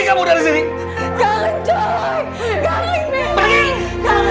semua itu bisa saya batalkan